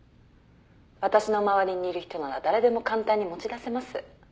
「私の周りにいる人なら誰でも簡単に持ち出せます」